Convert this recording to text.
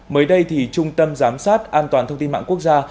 mới đây trung tâm giám sát an toàn thông tin mạng quốc gia